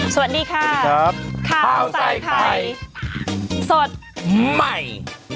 สวัสดีค่ะข้าวใส่ไข่สดใหม่